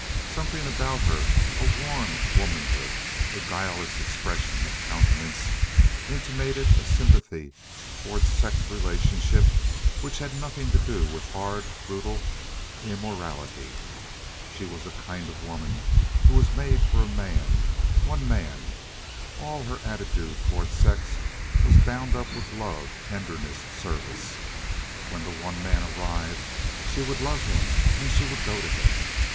Something about her—a warm womanhood, a guileless expression of countenance—intimated a sympathy toward sex relationship which had nothing to do with hard, brutal immorality. She was the kind of a woman who was made for a man—one man. All her attitude toward sex was bound up with love, tenderness, service. When the one man arrived she would love him and she would go to him.